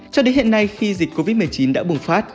cho đến hiện nay khi dịch covid một mươi chín đã bùng phát